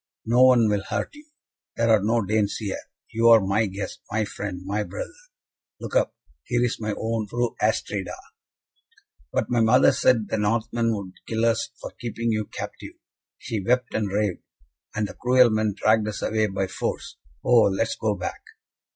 "No one will hurt you. There are no Danes here. You are my guest, my friend, my brother. Look up! here is my own Fru Astrida." "But my mother said the Northmen would kill us for keeping you captive. She wept and raved, and the cruel men dragged us away by force. Oh, let us go back!"